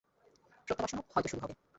প্রত্যাবাসনও হয়তো শুরু হবে।